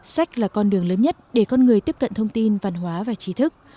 sách là con đường lớn nhất để con người tiếp cận thông tin văn hóa và trí thức